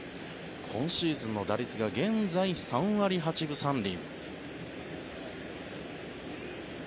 今シーズンの打率が現在、３割８分３厘。